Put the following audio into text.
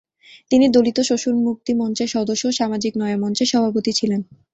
তিনি দলিত শোষণ মুক্তি মঞ্চের সদস্য ও সামাজিক নয়া মঞ্চের সভাপতি ছিলেন।